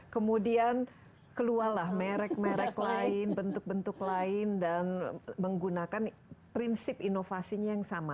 kemudian keluarlah merek merek lain bentuk bentuk lain dan menggunakan prinsip inovasinya yang sama